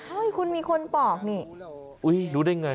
ให้คุณมีคนปอกนี่อุ้ยรู้ได้ไง